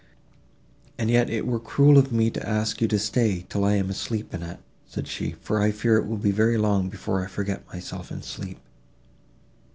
"And yet it were cruel of me to ask you to stay, till I am asleep, Annette," said she, "for I fear it will be very long before I forget myself in sleep."